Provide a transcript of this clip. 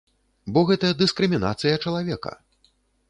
Бо гэта дыскрымінацыя чалавека.